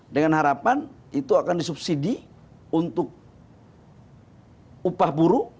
dengan harapan itu akan disubsidi untuk upah buruh